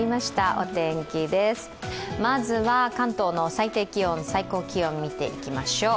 お天気です、まずは関東の最低気温、最高気温を見ていきましょう。